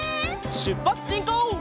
しゅっぱつしんこう！